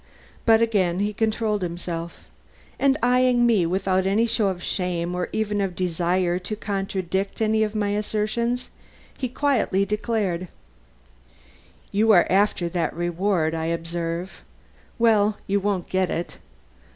But again he controlled himself, and eying me without any show of shame or even of desire to contradict any of my assertions, he quietly declared: "You are after that reward, I observe. Well, you won't get it.